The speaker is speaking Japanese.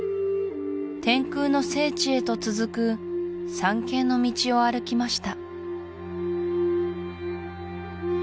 天空の聖地へと続く参詣の道を歩きました